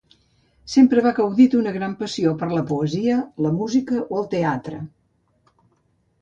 Sempre va gaudir d'una gran passió per la poesia, la música o el teatre.